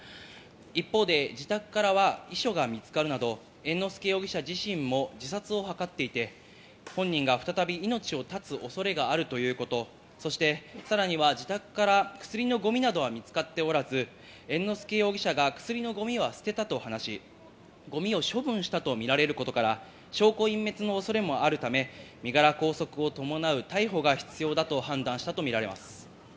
一方で自宅からは遺書が見つかるなど、猿之助容疑者自身も自殺を図っていて、本人が再び命を絶つ恐れがあるということ、そしてさらには自宅から薬のゴミなどは見つかっておらず、猿之助容疑者が薬のゴミは捨てたと話し、ゴミを処分したとみられることから、証拠隠滅の恐れもあるため、身柄拘束を伴う逮捕が必要だと判断したとみられます。